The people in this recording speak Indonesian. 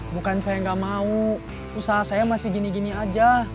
bukan saya nggak mau usaha saya masih gini gini aja